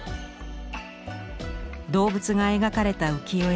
動物が描かれた浮世絵の展覧会。